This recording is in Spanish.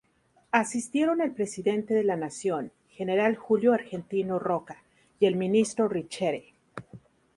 Asistieron el Presidente de la Nación, general Julio Argentino Roca, y el Ministro Riccheri.